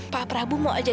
pak prabu mau ajarin saran